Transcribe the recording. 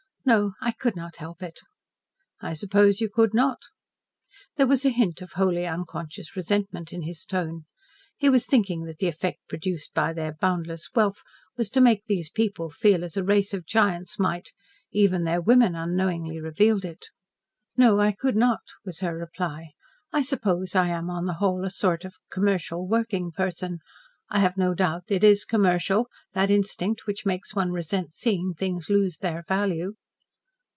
No, I could not help it." "I suppose you could not." There was a hint of wholly unconscious resentment in his tone. He was thinking that the effect produced by their boundless wealth was to make these people feel as a race of giants might even their women unknowingly revealed it. "No, I could not," was her reply. "I suppose I am on the whole a sort of commercial working person. I have no doubt it is commercial, that instinct which makes one resent seeing things lose their value."